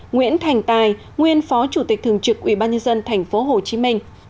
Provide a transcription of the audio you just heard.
nguyễn thành tài nguyên phó chủ tịch thường trực ubnd tp hcm